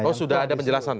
oh sudah ada penjelasan